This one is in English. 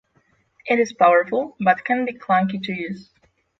It is powerful but can be clunky to use